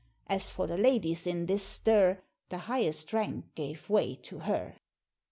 As for the ladies in this stir, The highest rank gave way to her.